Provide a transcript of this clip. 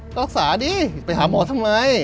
รักษาดิไปหาหมอทำไม